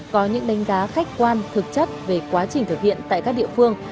có những đánh giá khách quan thực chất về quá trình thực hiện tại các địa phương